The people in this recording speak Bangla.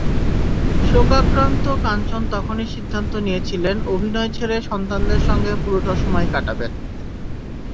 শোকাক্রান্ত কাঞ্চন তখনই সিদ্ধান্ত নিয়েছিলেন অভিনয় ছেড়ে সন্তানদের সঙ্গে পুরোটা সময় কাটাবেন।